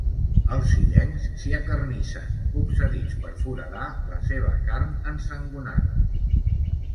Els illencs s'hi acarnissen, obsedits per foradar la seva carn ensangonada.